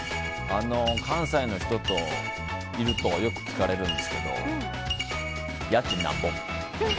関西の人といるとよく聞かれるんですけど家賃、なんぼ？